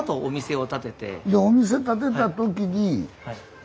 お店建てた時に。